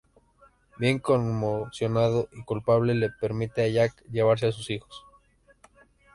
Ben, conmocionado y culpable, le permite a Jack llevarse a sus hijos.